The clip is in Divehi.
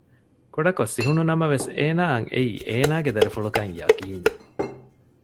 ކުޑަކޮށް ސިހުނު ނަމަވެސް އޭނާއަށް އެއީ އޭނާގެ ދަރިފުޅުކަން ޔަޤީންވި